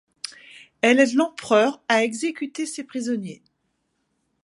Elles aident l'empereur à exécuter ses prisonniers.